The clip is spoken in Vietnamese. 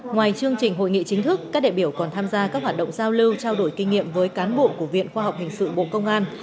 ngoài chương trình hội nghị chính thức các đại biểu còn tham gia các hoạt động giao lưu trao đổi kinh nghiệm với cán bộ của viện khoa học hình sự bộ công an